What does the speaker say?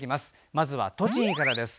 まずは栃木からです。